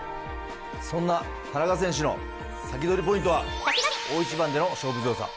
そんな田中選手のサキドリポイントは大一番での勝負強さ。